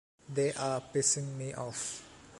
They are pissing me off.